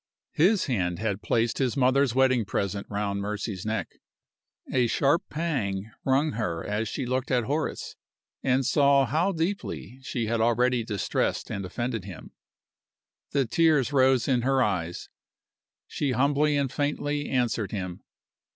His hand had placed his mother's wedding present round Mercy's neck. A sharp pang wrung her as she looked at Horace, and saw how deeply she had already distressed and offended him. The tears rose in her eyes; she humbly and faintly answered him.